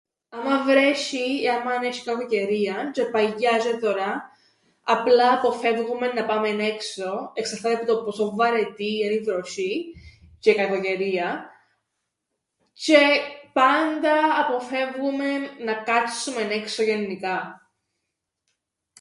Άμαν βρέσ̆ει ή άμαν έσ̆ει κακοκαιρίαν τζ̆αι παλιά τζ̆αι τωρά απλά αποφεύγουμεν να πάμεν έξω, εξαρτάται που το πόσον βαρετή εν' η βροσ̆ή τζ̆αι η κακοκαιρία, τζ̆αι πάντα αποφεύγουμεν να κάτσουμεν έξω γεννικά.